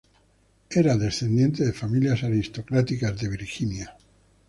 Era descendiente de familias aristocráticas de Virginia.